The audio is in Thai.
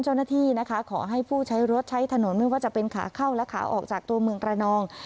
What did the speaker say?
เจ้าหน้าที่นะคะขอให้ผู้ใช้รถใช้ถนนไม่ว่าจะเป็นขาเข้าและขาออกจากตัวเมืองระนอง